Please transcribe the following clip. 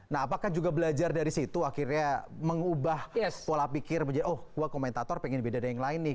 nah apakah juga belajar dari situ akhirnya mengubah pola pikir menjadi oh gue komentator pengen beda dengan yang lain nih